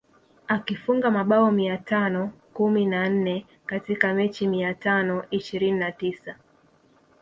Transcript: Akifunga mabao mia tano kumi na nne katika mechi mia tano ishirini na tisa